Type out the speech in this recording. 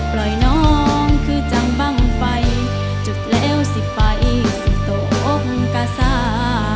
ปล่อยน้องคือจังบ้างไฟจุดแล้วสิไปสิตกอมกา